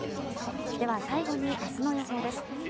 では、最後に明日の予報です。